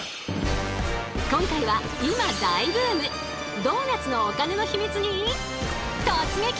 今回は今大ブームドーナツのお金のヒミツに突撃！